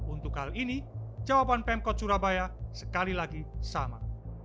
untuk hal ini jawaban pemkot surabaya sekali lagi sama